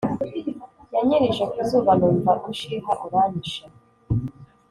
Yanyirirje kuzuba numva uushiha uranyishe